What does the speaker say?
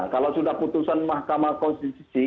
kalau sudah putusan mahkamah konstitusi